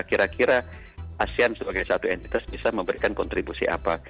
kira kira asean sebagai satu entitas bisa memberikan kontribusi apa